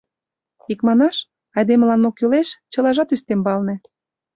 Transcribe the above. Икманаш, айдемылан мо кӱлеш — чылажат ӱстембалне.